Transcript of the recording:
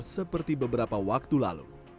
seperti beberapa waktu lalu